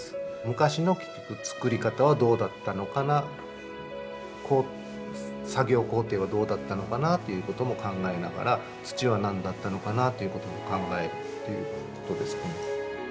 昔の結局つくり方はどうだったのかな作業工程はどうだったのかなということも考えながら土は何だったのかなということも考えるっていうことですかね。